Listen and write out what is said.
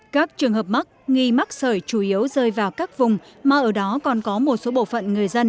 các trường hợp mắc nghi mắc sợi chủ yếu rơi vào các vùng mà ở đó còn có một số bộ phận người dân